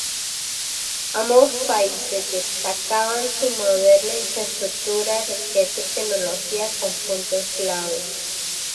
Ambos países destacaban su moderna infraestructura, riqueza y tecnología como puntos claves.